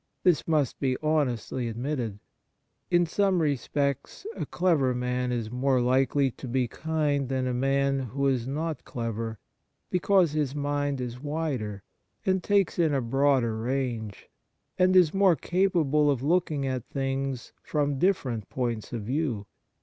This must be honestly ad mitted. In some respects a clever man is more likely to be kind than a man who is not clever, because his mind is wider, and takes in a broader range, and is more capable of looking at things from different points of view.